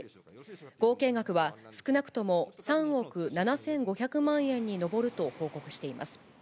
合計額は少なくとも３億７５００万円に上ると報告しています。